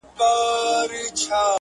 به د «فایدې» قاموسي مانا هم راواخلو